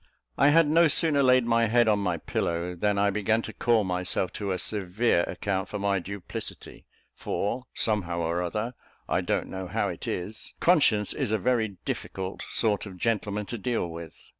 I had no sooner laid my head on my pillow than I began to call myself to a severe account for my duplicity; for, somehow or other, I don't know how it is, conscience is a very difficult sort of gentleman to deal with.